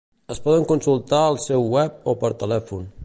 Es poden consultar al seu web o per telèfon.